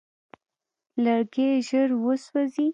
لرګی ژر وسوځي.